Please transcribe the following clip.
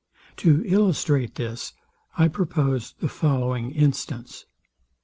To illustrate this, I propose the following instance.